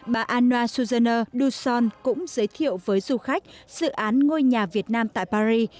bà anna susanna duson cũng giới thiệu với du khách dự án ngôi nhà việt nam tại paris